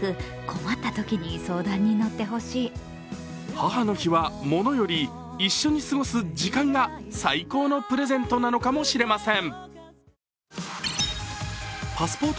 母の日はモノより一緒に過ごす時間が最高のプレゼントなのかもしれません。